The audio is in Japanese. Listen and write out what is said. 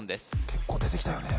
結構出てきたよね